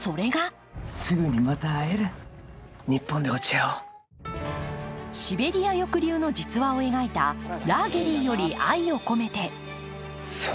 それがシベリア抑留の実話を描いた「ラーゲリより愛を込めて」。